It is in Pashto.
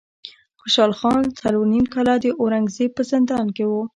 خوشحال خان څلور نیم کاله د اورنګ زیب په زندان کې و.